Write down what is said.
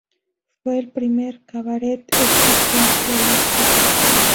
Fue el primer cabaret existencialista.